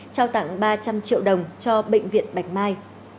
trao tặng ba trăm linh triệu đồng cho bệnh viện bạch mai